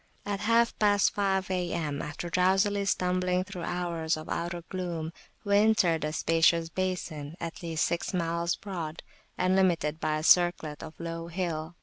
At half past five A.M., after drowsily stumbling through hours of outer gloom, we entered a spacious basin at least six miles broad, and limited by a circlet of low hill.